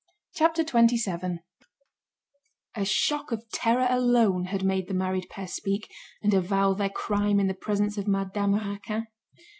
CHAPTER XXVII A shock of terror alone had made the married pair speak, and avow their crime in the presence of Madame Raquin.